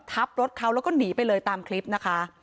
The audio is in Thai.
ทับรถเขาแล้วก็หนีไปเลยตามคลิปนะคะ